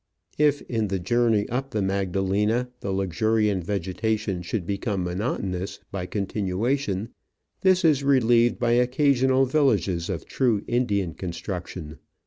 If in the journey up the Magdalena the luxuriant vegetation should become monotonous by continuation, this is relieved by occasional villages of true Indian construc tion.